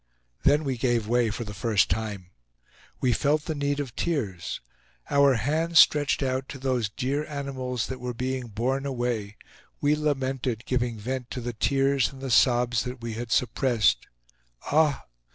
Then we gave way for the first time. We felt the need of tears. Our hands stretched out to those dear animals that were being borne away, we lamented, giving vent to the tears and the sobs that we had suppressed. Ah!